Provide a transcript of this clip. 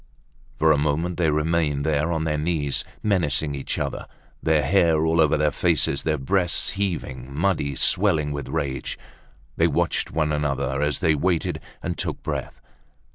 For a moment they remained there, on their knees, menacing each other. Their hair all over their faces, their breasts heaving, muddy, swelling with rage, they watched one another, as they waited and took breath.